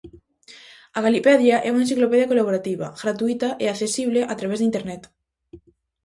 A Galipedia é unha enciclopedia colaborativa, gratuíta e accesible a través de Internet.